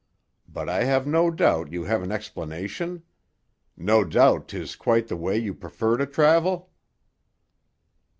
But I have no doubt you have an explanation? No doubt 'tis quite the way you prefer to travel?"